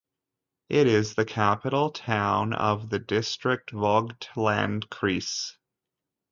It is the capital town of the district Vogtlandkreis.